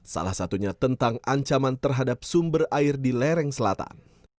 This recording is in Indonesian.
salah satunya tentang ancaman terhadap sumber air di lereng selatan